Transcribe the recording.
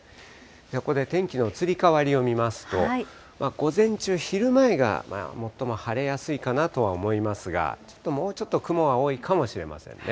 ここで天気の移り変わりを見ますと、午前中、昼前が最も晴れやすいかなとは思いますが、ちょっともうちょっと雲が多いかもしれませんね。